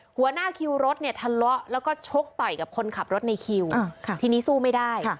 หัวหน้าคิวรถเนี่ยทะเลาะแล้วก็ชกต่อยกับคนขับรถในคิวทีนี้สู้ไม่ได้